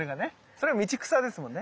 それが道草ですもんね。